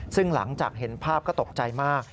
ซึ่งหลังจากเห็นภาพก็ตกใจมาก